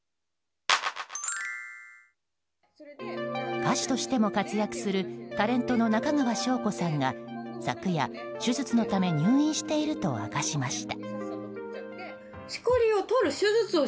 歌手としても活躍するタレントの中川翔子さんが昨夜、手術のため入院していると明かしました。